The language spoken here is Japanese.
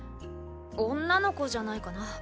女の子じゃないかな？